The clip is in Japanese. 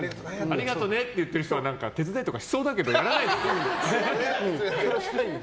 ありがとねって言ってる人は手伝いしそうだけどしないんだ。